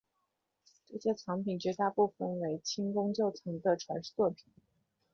这些藏品绝大部分为清宫旧藏的传世作品。